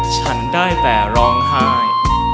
ฉันได้แต่ร้องไห้